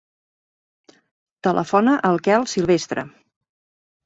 Telefona al Quel Silvestre.